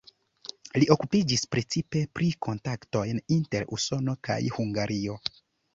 Li okupiĝis precipe pri kontaktoj inter Usono kaj Hungario.